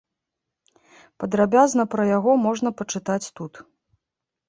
Падрабязна пра яго можна пачытаць тут.